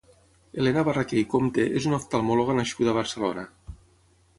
Elena Barraquer i Compte és una oftalmòloga nascuda a Barcelona.